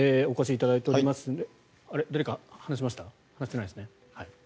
お越しいただいておりますが。